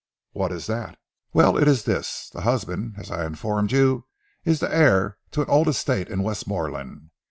"What is that?" "Well, it is this, the husband, as I informed you, is the heir to an old estate in Westmorland.